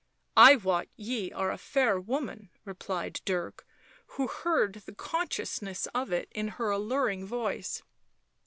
" I wot ye are a fair woman," replied Dirk, who heard the consciousness of it in her alluring voice.